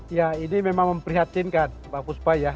ya ini memang memprihatinkan mbak fuspa ya